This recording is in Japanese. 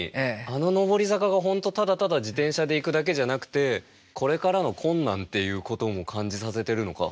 あの「のぼり坂」が本当ただただ自転車で行くだけじゃなくてこれからの困難っていうことも感じさせてるのか。